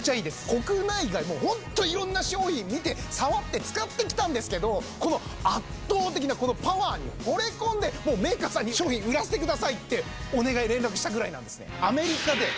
国内外ホントにいろんな商品見て触って使ってきたんですけどこの圧倒的なパワーにほれ込んでメーカーさんに商品売らせてくださいってお願い連絡したぐらいなんですね。